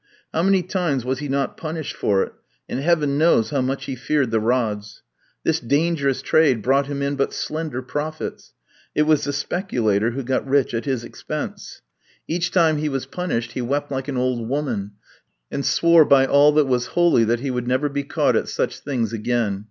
How many times was he not punished for it, and heaven knows how much he feared the rods. This dangerous trade brought him in but slender profits. It was the speculator who got rich at his expense. Each time he was punished he wept like an old woman, and swore by all that was holy that he would never be caught at such things again.